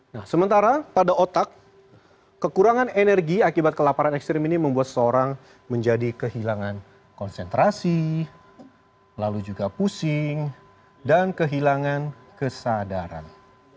nah sementara pada otak kekurangan energi akibat kelaparan ekstrim ini membuat seseorang menjadi kehilangan konsentrasi lalu juga pusing dan kehilangan kesadaran